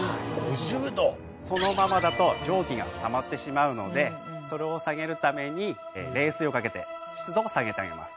そのままだと蒸気がたまってしまうのでそれを下げるために冷水をかけて湿度も下げてあげます。